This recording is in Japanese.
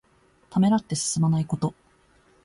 ためらって進まないこと。